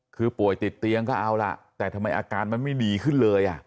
คือป่วยติดเตียงก็เอาล่ะแต่ทำไมอาการมันไม่ดีขึ้นเลย